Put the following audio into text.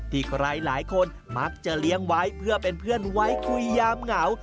ใครหลายคนมักจะเลี้ยงไว้เพื่อเป็นเพื่อนไว้คุยยามเหงา